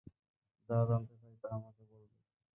যা জানতে চাই তা আমাকে বলবে।